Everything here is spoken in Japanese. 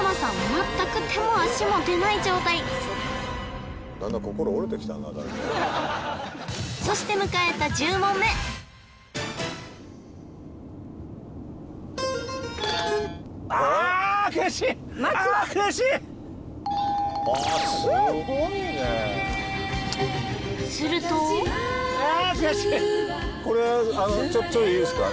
全く手も足も出ない状態だんだんそして迎えた１０問目あっあっすごいねするとあーっ悔しいこれはあのちょいいいですか？